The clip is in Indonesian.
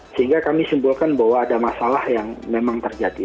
sehingga kami simpulkan bahwa ada masalah yang memang terjadi